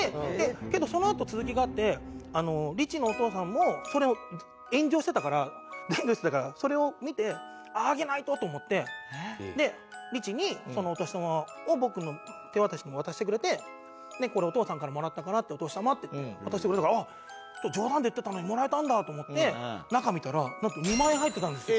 けどそのあと続きがあってリチのお父さんもそれを炎上してたからそれを見てあああげないと！と思ってでリチにそのお年玉を僕の手渡しで渡してくれてこれお父さんからもらったからお年玉って渡してくれたから冗談で言ってたのにもらえたんだと思って中見たらなんと２万円入ってたんですよ。